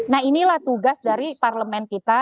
nah inilah tugas dari parlemen kita